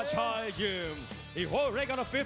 ตอนนี้มวยกู้ที่๓ของรายการ